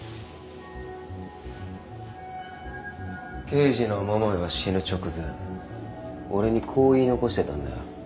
刑事の桃井は死ぬ直前俺にこう言い残してたんだ。